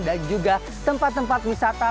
dan juga tempat tempat wisata